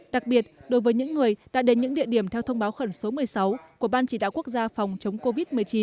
đặc biệt đối với những người đã đến những địa điểm theo thông báo khẩn số một mươi sáu của ban chỉ đạo quốc gia phòng chống covid một mươi chín